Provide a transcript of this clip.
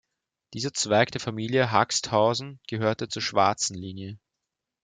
Dieser Zweig der Familie Haxthausen gehörte zur Schwarzen Linie.